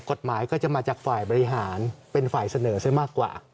กฎหมายก็จะมาจากฝ่ายบริหารเป็นฝ่ายเสนอซะมากกว่า